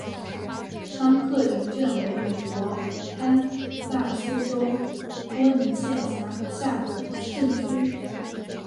康克林镇区为美国堪萨斯州波尼县辖下的镇区。